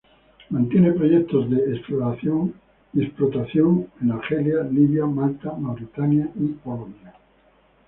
Mantiene proyectos de exploración y explotación en Argelia, Libia, Malta, Mauritania y Polonia.